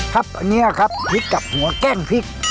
ครับอันนี้ครับพริกกับหัวแกล้งพริก